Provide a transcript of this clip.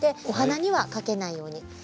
お花にはかけないように。